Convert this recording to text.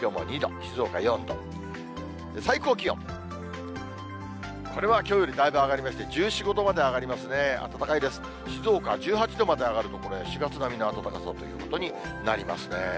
静岡は１８度まで上がると、これ、４月並みの暖かさということになりますね。